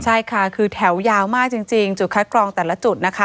ใช่ค่ะคือแถวยาวมากจริงจุดคัดกรองแต่ละจุดนะคะ